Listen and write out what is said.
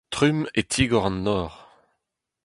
Trumm e tigor an nor.